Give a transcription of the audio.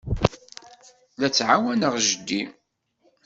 La ttɛawaneɣ jeddi.